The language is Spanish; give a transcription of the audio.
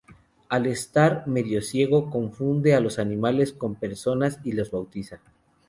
Al estar medio ciego, confunde a los animales con personas y los bautiza.